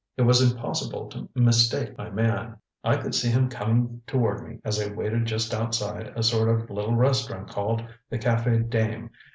It was impossible to mistake my man; I could see him coming toward me as I waited just outside a sort of little restaurant called the Cafe Dame.